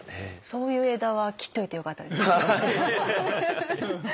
そういう枝は切っといてよかったですね。